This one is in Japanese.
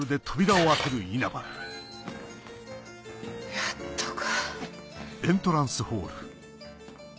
やっとか。